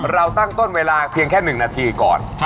เราตั้งต้นเวลาเพียงแค่๑นาทีก่อน